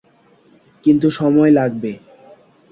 কিন্তু সময় লাগবে।